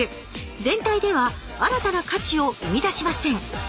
全体では新たな価値をうみだしません。